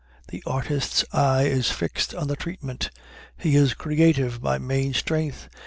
The artist's eye is fixed on the treatment. He is "creative" by main strength.